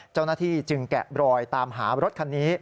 เจ้าหน้าที่จึงแกะรอยตามหารถคันนี้